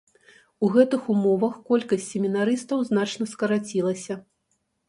У гэтых умовах колькасць семінарыстаў значна скарацілася.